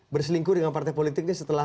berselingkuh dengan partai politik setelah